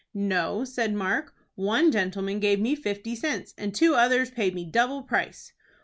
"No," said Mark; "one gentleman gave me fifty cents, and two others paid me double price."